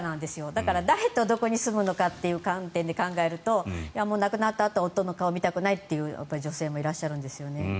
だから誰とどこにすむのかという観点で考えると亡くなったあと夫の顔を見たくないという女性もいらっしゃるんですよね。